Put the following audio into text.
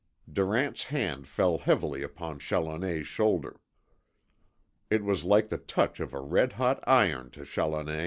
Durant's hand fell heavily upon Challoner's shoulder. It was like the touch of a red hot iron to Challoner.